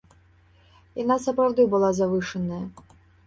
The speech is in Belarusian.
Яна сапраўды была завышаная.